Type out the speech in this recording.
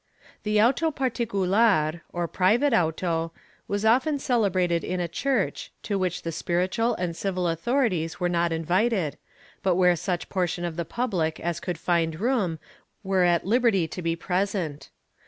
The auto 'particular, or private auto, was often celebrated in a church, to which the spiritual and civil authorities were not invited, but where such portion of the public as could find room were at liberty to be present.